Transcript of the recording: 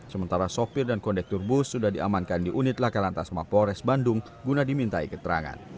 sementara supir dan kondektur bus sudah diamankan di unit lakar lantas mapo polres bandung guna dimintai keterangan